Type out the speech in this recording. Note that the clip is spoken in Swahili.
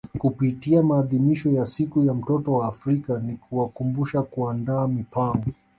Kupitia maadhimisho ya siku ya mtoto wa Afrika ni kuwakumbusha kuandaa mipango